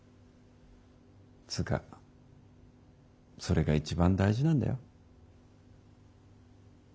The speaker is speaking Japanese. つうかそれが一番大事なんだよ。